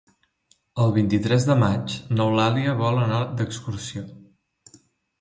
El vint-i-tres de maig n'Eulàlia vol anar d'excursió.